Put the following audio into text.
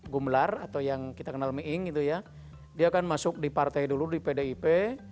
gumlar atau yang kita kenal miing gitu ya dia kan masuk di partai dulu di pdip